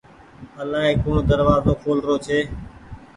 الآئي ڪوڻ دروآزو کول رو ڇي۔